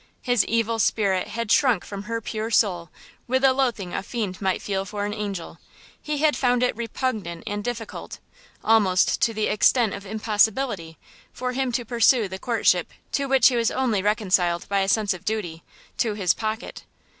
His evil spirit had shrunk from her pure soul with the loathing a fiend might feel for an angel. He had found it repugnant and difficult, almost to the extent of impossibility, for him to pursue the courtship to which he was only reconciled by a sense of duty to–his pocket.